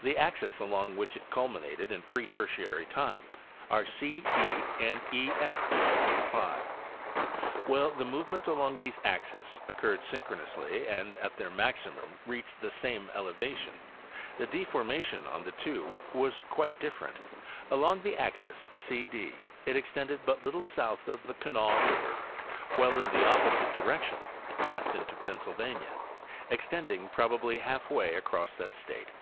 The axes along which it culminated in pre Tertiary time are C D and FE F (plate 5). While the movement along these axes occurred syn chronously and at their maximum reached the same elevation, the deformation on the two was quite different. Along the axis C D it extended but little south of the Kanawha river, while in the opposite direction it passed into Pennsylvania, extending probably half way across that state.